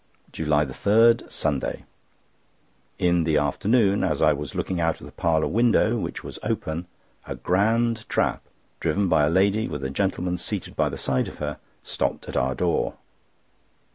JULY 3, Sunday.—In the afternoon, as I was looking out of the parlour window, which was open, a grand trap, driven by a lady, with a gentleman seated by the side of her, stopped at our door.